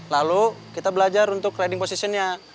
lalu kita belajar untuk trading positionnya